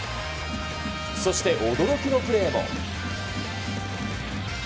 そして、驚きのプレーも。